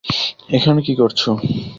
এখানে কী করছ?